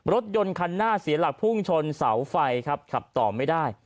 รถยนต์คันหน้าเสียหลักพุ่งชนเสาไฟครับขับต่อไม่ได้